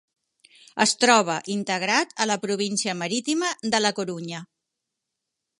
Es troba integrat a la província marítima de la Corunya.